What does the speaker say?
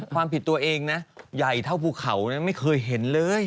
ความผิดตัวเองนะใหญ่เท่าภูเขาไม่เคยเห็นเลย